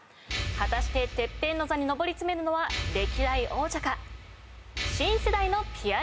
果たしてＴＥＰＰＥＮの座に上り詰めるのは歴代王者か新世代のピアニストか。